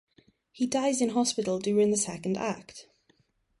He dies in hospital during the second act.